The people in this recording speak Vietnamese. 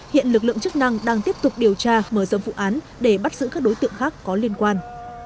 hiện lực lượng chức năng đang tiếp tục điều tra mở rộng vụ án để bắt giữ các đối tượng khác có liên quan